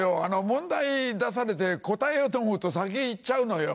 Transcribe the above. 問題出されて答えようと思うと先言っちゃうのよ。